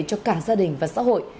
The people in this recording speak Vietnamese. cho cả gia đình và xã hội